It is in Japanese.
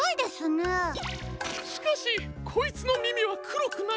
しかしこいつのみみはくろくない。